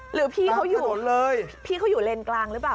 หรือพี่เขาอยู่เลนกลางหรือเปล่า